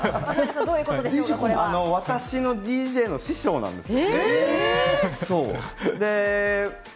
私のＤＪの師匠なんです。